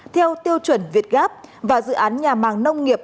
theo tiêu chuẩn việt gáp và dự án nhà màng nông nghiệp